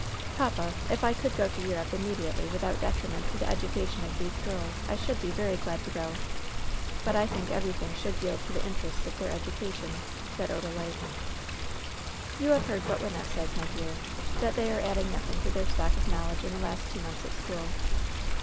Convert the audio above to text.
"Papa, if I could go to Europe immediately without detriment to the education of these girls, I should be very glad to go. But I think everything should yield to the interests of their education," said Odalite. "You have heard what Wynnette says, my dear — that they are adding nothing to their stock of Imowledge in the last two months at school.